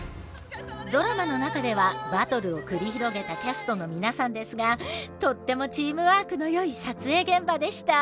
ドラマの中ではバトルを繰り広げたキャストの皆さんですがとってもチームワークのよい撮影現場でした。